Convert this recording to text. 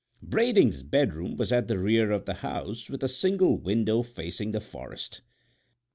Brading's bedroom was at the rear of the house, with a single window facing the forest.